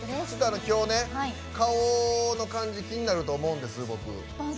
きょう、顔の感じ気になると思うんです、僕。